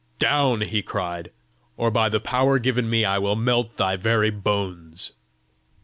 "Down!" he cried; "or by the power given me I will melt thy very bones."